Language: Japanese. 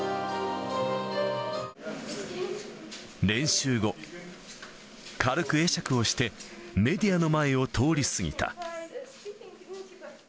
練習後、軽く会釈をして、メディアの前を通り過ぎた。